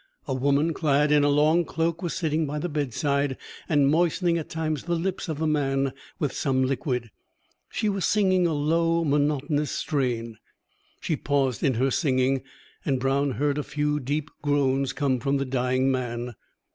A woman clad in a long cloak was sitting by the bedside, and moistening at times the lips of the man with some liquid. She was singing a low monotonous strain. She paused in her singing, and Brown heard a few deep groans come from the dying man.